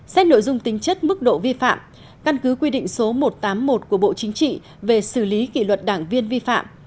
xét nội dung tính chất mức độ vi phạm căn cứ quy định số một trăm tám mươi một của bộ chính trị về xử lý kỷ luật đảng viên vi phạm